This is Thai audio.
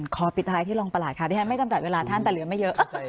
ขอปิดท้ายที่รองประหลาดค่ะไม่จำเป็นเวลาท่านแต่เหลือไม่เยอะ